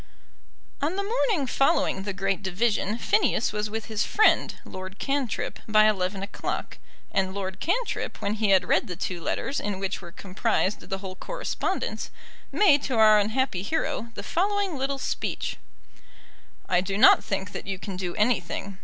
On the morning following the great division Phineas was with his friend, Lord Cantrip, by eleven o'clock; and Lord Cantrip, when he had read the two letters in which were comprised the whole correspondence, made to our unhappy hero the following little speech. "I do not think that you can do anything.